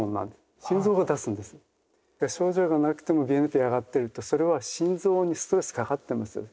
症状がなくてもＢＮＰ上がってるとそれは心臓にストレスかかってますよ